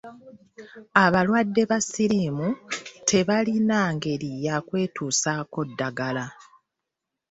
Abalwadde ba ssiriimu tebalina ngeri ya kwetusaako ddagala.